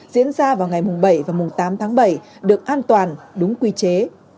diễn ra vào ngày bảy và mùng tám tháng bảy được an toàn đúng quy chế